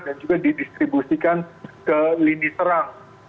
dan juga didistribusikan ke lini serang